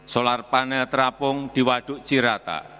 solar panel terapung di waduk cirata